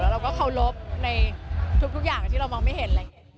เราก็เคารพในทุกอย่างที่เรามองไม่เห็น